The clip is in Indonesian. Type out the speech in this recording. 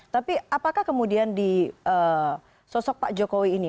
tapi apakah kemudian di sosok pak jokowi ini